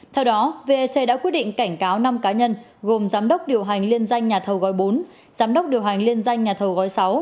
theo đó vec đã quyết định cảnh cáo năm cá nhân gồm giám đốc điều hành liên danh nhà thầu gói bốn giám đốc điều hành liên danh nhà thầu gói sáu